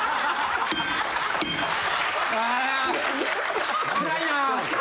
あつらいなぁ！